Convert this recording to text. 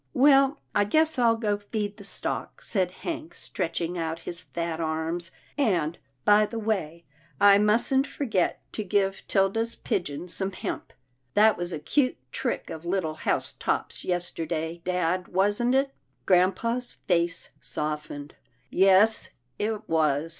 " Well, I guess I'll go feed the stock," said Hank stretching out his fat arms, " and, by the way, I mustn't forget to give 'Tilda's pigeon some hemp. That was a cute trick of little House top's yesterday, dad, wasn't it ?" Grampa's face softened. " Yes it was.